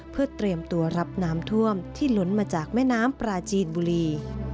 เพื่อเตรียมตัวรับน้ำท่วมที่หล้นมาจากแม่น้ำปลาจีนบุรี